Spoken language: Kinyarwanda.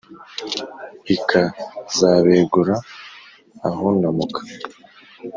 Ikazabegura ahunamuka.